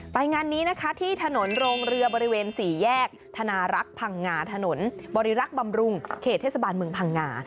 งานนี้นะคะที่ถนนโรงเรือบริเวณ๔แยกธนารักษ์พังงาถนนบริรักษ์บำรุงเขตเทศบาลเมืองพังงา